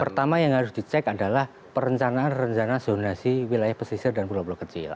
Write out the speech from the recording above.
pertama yang harus dicek adalah perencanaan rencana zonasi wilayah pesisir dan pulau pulau kecil